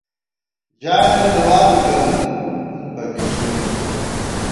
ژایَنہ دُعا بی گہ نُن ، نُن پگِسُوئی مو پېنہ